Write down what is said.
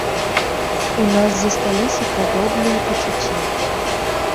У нас засталіся падобныя пачуцці.